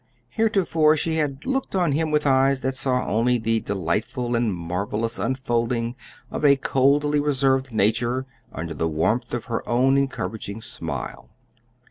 Heretofore she had looked at him with eyes that saw only the delightful and marvelous unfolding of a coldly reserved nature under the warmth of her own encouraging smile.